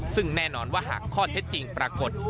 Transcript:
ซึ่งแน่นอนว่าหากข้อเท็จจริงปรากฏ